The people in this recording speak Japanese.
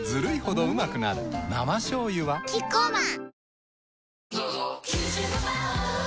生しょうゆはキッコーマン